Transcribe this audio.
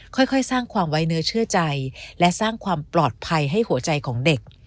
ค่อยสร้างความไว้เนื้อเชื่อใจและสร้างความปลอดภัยให้หัวใจของเด็ก